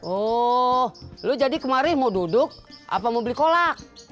oh lu jadi kemarin mau duduk apa mau beli kolak